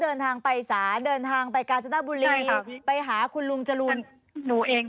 เดินทางไปสานเดินทางไปกาซาด้าบุรีใช่ค่ะไปหาคุณลุงจรูมหนูเอง